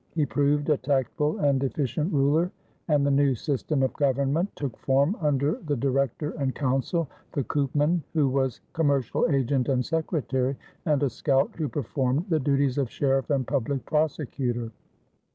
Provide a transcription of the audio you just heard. He proved a tactful and efficient ruler, and the new system of government took form under the Director and Council, the koopman, who was commercial agent and secretary, and a schout who performed the duties of sheriff and public prosecutor.